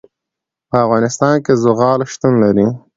په افغانستان کې زغال شتون لري.